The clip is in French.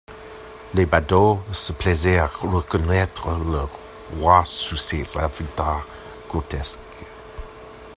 Les badauds se plaisaient à reconnaître leur roi sous ces avatars grotesques.